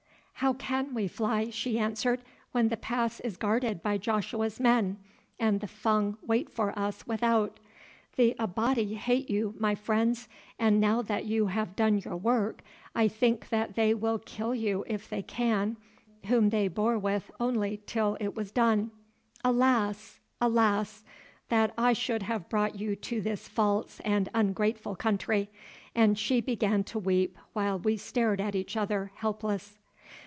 "How can we fly," she answered, "when the pass is guarded by Joshua's men, and the Fung wait for us without? The Abati hate you, my friends, and now that you have done your work I think that they will kill you if they can, whom they bore with only till it was done. Alas! alas! that I should have brought you to this false and ungrateful country," and she began to weep, while we stared at each other, helpless.